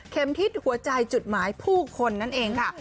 ทิศหัวใจจุดหมายผู้คนนั่นเองค่ะ